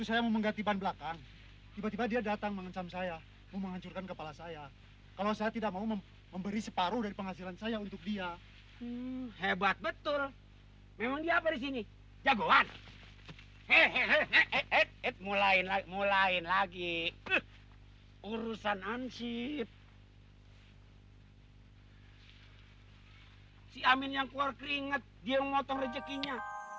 si amin yang keluar keringat dia yang memotong rezekinya